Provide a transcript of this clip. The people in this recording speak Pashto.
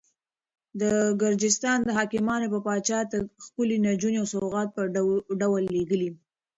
د ګرجستان حاکمانو به پاچا ته ښکلې نجونې د سوغات په ډول لېږلې.